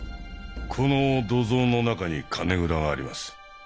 この土蔵の中に金蔵があります。